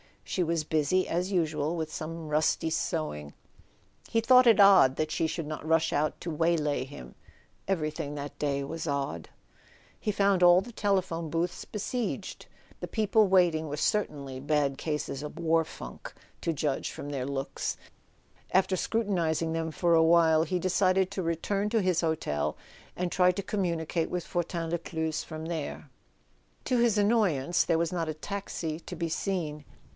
She was busy as usual with some rusty sewing —he thought it odd that she should not rush out to waylay him. Everything that day was odd. He found all the telephone booths besieged. The people waiting were certainly bad cases of war funk, [ 61 ] A SON AT THE FRONT to judge from their looks; after scrutinizing them for a while he decided to return to his hotel, and try to communicate with Fortin Lescluze from there. To his annoyance there was not a taxi to be seen.